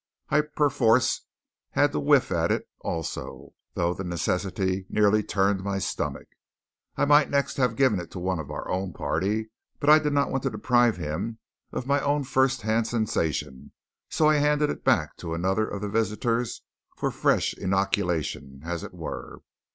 I perforce had to whiff at it also, though the necessity nearly turned my stomach. I might next have given it to one of our own party, but I did not want to deprive him of my own first hand sensation, so I handed it back to another of the visitors for fresh inoculation, as it were.